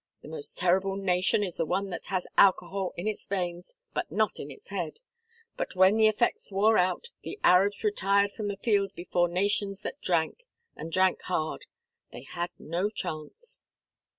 The most terrible nation is the one that has alcohol in its veins but not in its head. But when the effects wore out, the Arabs retired from the field before nations that drank and drank hard. They had no chance."